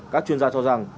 các chuyên gia cho rằng